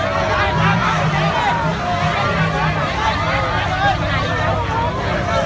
ก็ไม่มีเวลาให้กลับมาเท่าไหร่